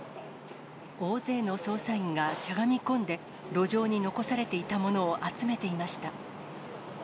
大勢の捜査員がしゃがみ込んで、路上に残されていたものを集めていました。